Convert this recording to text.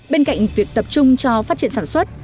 bên cạnh việc tập trung cho phát triển sản xuất